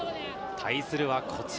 対するはこちら。